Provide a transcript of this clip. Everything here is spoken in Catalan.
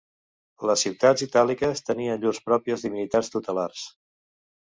Les ciutats itàliques tenien llurs pròpies divinitats tutelars.